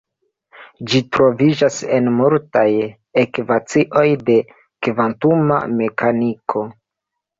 Ĝi troviĝas en multaj ekvacioj de kvantuma mekaniko.